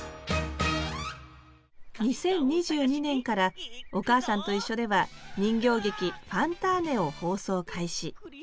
２０２２年から「おかあさんといっしょ」では人形劇「ファンターネ！」を放送開始。